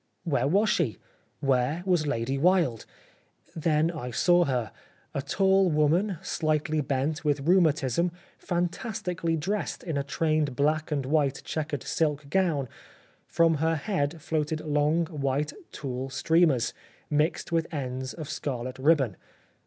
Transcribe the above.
Where was she ? Where was Lady Wilde ? Then I saw her — a tall woman, slightly bent with rheumatism, fantastically dressed in a trained black and white checkered silk gown ; from her head floated long, white tulle streamers, mixed with ends of scarlet ribbon.